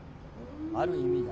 ・「ある意味」だ。